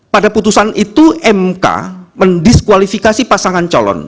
pada putusan itu mk mendiskualifikasi pasangan calon